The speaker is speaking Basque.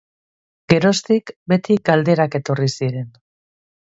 Geroztik beti galderak etorri ziren.